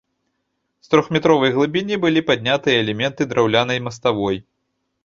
З трохметровай глыбіні былі паднятыя элементы драўлянай маставой.